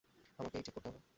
আমাকেই ঠিক করতে হবে।